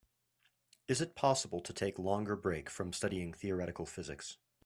Is it possible to take longer break from studying theoretical physics?